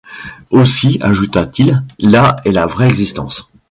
Aussi, ajouta-t-il, là est la vraie existence !